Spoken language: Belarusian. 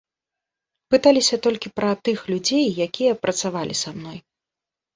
Пыталіся толькі пра тых людзей, якія працавалі са мной.